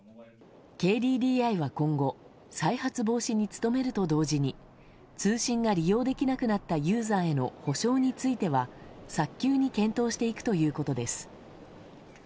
ＫＤＤＩは今後再発防止に努めると同時に通信が利用できなくなったユーザーへの補償については早急に検討していくということです。